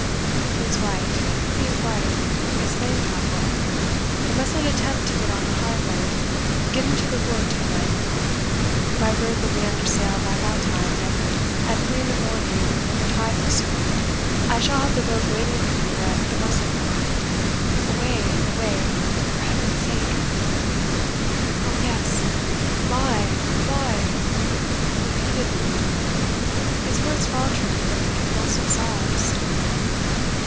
"He is right he is right," exclaimed Taffril; "you must not attempt to get on the high road get into the wood till night. My brig will be under sail by that time, and at three in the morning, when the tide will serve, I shall have the boat waiting for you at the Mussel crag. Away away, for Heaven's sake!" "O yes! fly, fly!" repeated the wounded man, his words faltering with convulsive sobs.